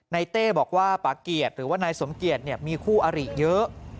เต้บอกว่าป่าเกียจหรือว่านายสมเกียจมีคู่อริเยอะ